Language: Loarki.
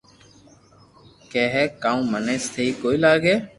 ڪي ھي ڪاو مني سھي ڪوئي لاگي